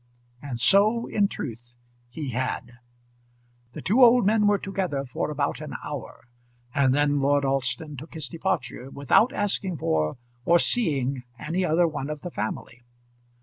And so in truth he had. The two old men were together for about an hour, and then Lord Alston took his departure without asking for, or seeing any other one of the family.